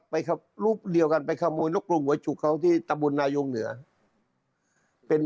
ไปครับรูปเดียวกันไปขโมยนกลุ่มหัวจุกเขาที่ตะบุญนายงเหนือ